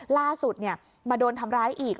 ล่าสุดมาโดนทำร้ายอีก